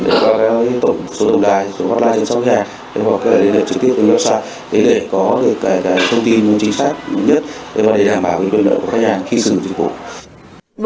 qua cái tổng số tổng đài số hotline trên sáu nhà hoặc là liên lạc trực tiếp tới website để có cái thông tin chính xác nhất và để đảm bảo cái đôi nợ của khách hàng khi xử dụng dịch vụ